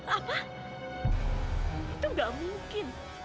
apa itu gak mungkin